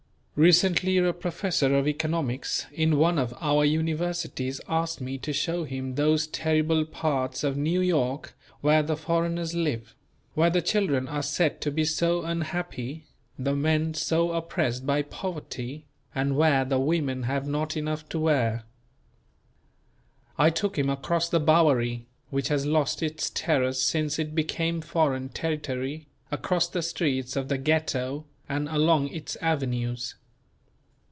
Recently a professor of economics in one of our universities asked me to show him those terrible parts of New York where the foreigners live; where the children are said to be so unhappy, the men so oppressed by poverty; and where the women have not enough to wear. I took him across the Bowery, which has lost its terrors since it became foreign territory, across the streets of the Ghetto and along its avenues.